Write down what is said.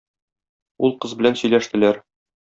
Ул кыз белән сөйләштеләр.